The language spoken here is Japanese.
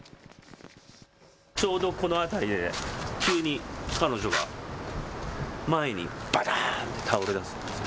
ちょうどこの辺りで急に彼女が前にばたーんと倒れだすんです。